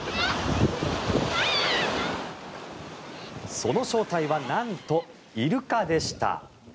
その正体はなんとイルカでした。